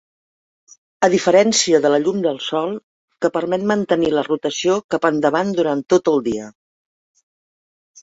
A diferència de la llum del sol, que permet mantenir la rotació cap endavant durant tot el dia.